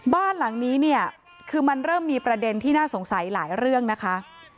บ้านหลังนี้เนี่ยคือมันเริ่มมีประเด็นที่น่าสงสัยหลายเรื่องนะคะ